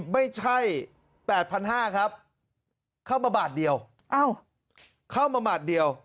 ไม่ใช่๘๕๐๐ครับเข้ามาบาทเดียวเข้ามาบาทเดียว